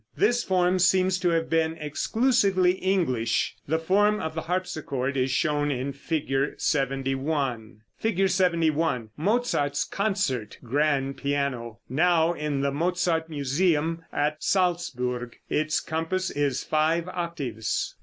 This form seems to have been exclusively English. The form of the harpsichord is shown in Fig. 71. [Illustration: Fig. 71. MOZART'S CONCERT GRAND PIANO. (Now in the Mozart Museum at Salzburg. Its compass is five octaves.)